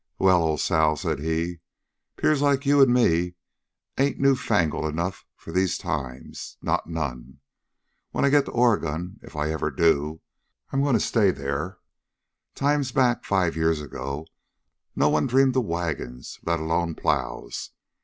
"Well, Ole Sal," said he, "'pears like you an' me ain't newfangled enough for these times, not none! When I git to Oregon, ef I ever do, I'm a goin' to stay thar. Times back, five year ago, no one dreamed o' wagons, let alone plows.